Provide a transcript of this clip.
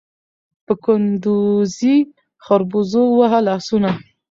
په کندوزي خربوزو ووهه لاسونه